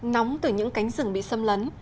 nóng từ những cánh rừng bị xâm lấn